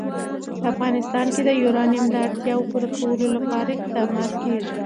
په افغانستان کې د یورانیم د اړتیاوو پوره کولو لپاره اقدامات کېږي.